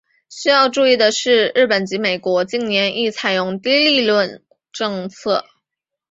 需要注意的是日本及美国近年亦采用低利率政策。